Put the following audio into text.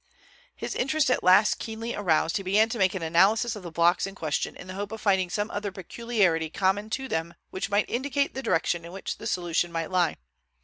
His interest at last keenly aroused, he began to make an analysis of the blocks in question in the hope of finding some other peculiarity common to them which might indicate the direction in which the solution might lie.